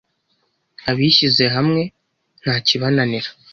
« Abishyize hamwe ntakibananira »